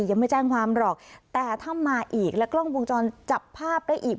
ยังไม่แจ้งความหรอกแต่ถ้ามาอีกและกล้องวงจรปิดจับภาพได้อีก